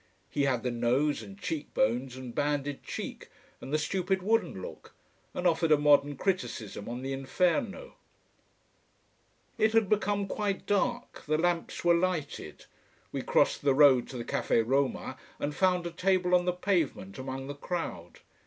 He had the nose and cheek bones and banded cheek, and the stupid wooden look, and offered a modern criticism on the Inferno. It had become quite dark, the lamps were lighted. We crossed the road to the Café Roma, and found a table on the pavement among the crowd.